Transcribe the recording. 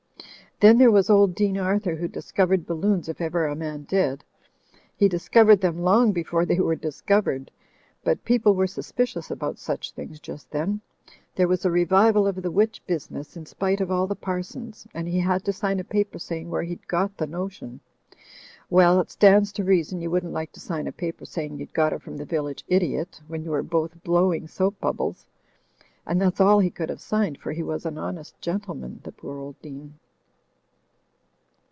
Then there was old Dean Arthur, who discovered balloons if ever a man did. He discovered them long before they were discovered. But people were suspicious about such things just then — ^there was a revival of the witch business in spite of all the parsons — and he had to sign a paper saying where he'd got the notion. Well, it stands to reason, you wouldn't like to sign a paper saying you'd got it from the village idiot when you were both blowing soap bubbles ; and that's all he could have signed, for he was an honest gentle man, the poor old Dean.